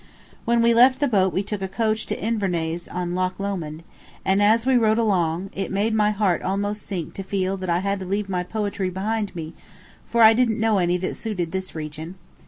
When we left the boat we took a coach to Inversnaid on Loch Lomond, and, as we rode along, it made my heart almost sink to feel that I had to leave my poetry behind me, for I didn't know any that suited this region.